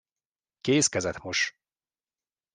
Kéz kezet mos.